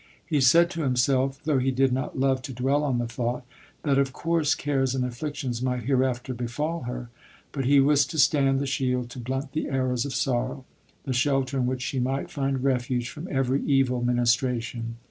He said to himself — though he did not love to dwell on the thought — that of course cares and afflictions might hereafter befal her ; but he was to stand the shield to blunt the arrows of sorrow — the shelter in which she might find refuge from every evil minis tration.